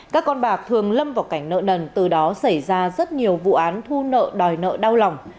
các con bạc thường lâm vào cảnh nợ nần từ đó xảy ra rất nhiều vụ án thu nợ đòi nợ đau lòng